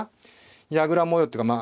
矢倉模様っていうかまあ